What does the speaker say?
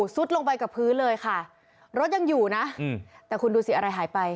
สุดลงไปกับพื้นเลยค่ะรถยังอยู่นะแต่คุณดูสิอะไรหายไป